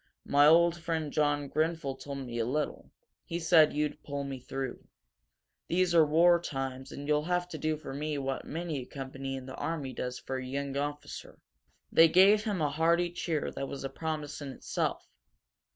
My old friend John Grenfel told me a little; he said you'd pull me through. These are war times and you'll have to do for me what many a company in the army does for a young officer." They gave him a hearty cheer that was a promise in itself.